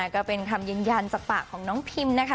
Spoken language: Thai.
ก็เป็นคำยืนยันจากปากของน้องพิมนะคะ